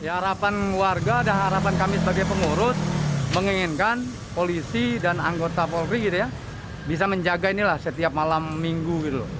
harapan warga dan harapan kami sebagai pengurus menginginkan polisi dan anggota polri gitu ya bisa menjaga inilah setiap malam minggu